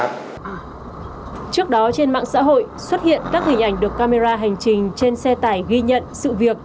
trước đó trên mạng xã hội xuất hiện các hình ảnh được camera hành trình trên xe tải ghi nhận sự việc